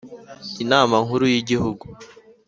Inama nkuru y igihugu